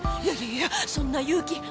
いやいやいやそんな勇気